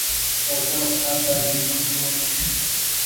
کوتره په هر ځای کې ژوند کولی شي.